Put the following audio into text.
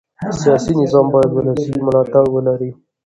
سیاسي نظام باید ولسي ملاتړ ولري